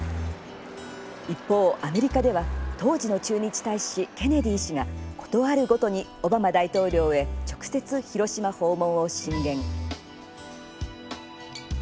一方、アメリカでは当時の駐日大使、ケネディ氏がことあるごとに、オバマ大統領へ直接、広島訪問を進言。